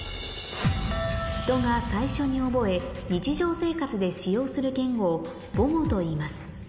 人が最初に覚え日常生活で使用する言語を母語といいます